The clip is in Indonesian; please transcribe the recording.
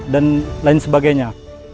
dan lain sebagainya